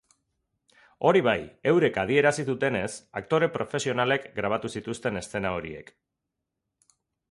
Hori bai, eurek adierazi dutenez, aktore profesionalek grabatu zituzten eszena horiek.